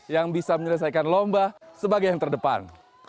yang bisa menyelesaikan lomba sebagai yang terdepan